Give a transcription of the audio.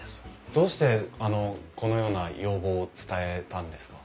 どうしてこのような要望を伝えたんですか？